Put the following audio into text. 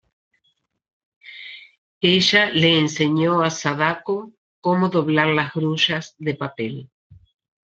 Ella le enseñó a Sadako cómo doblar las grullas de papel.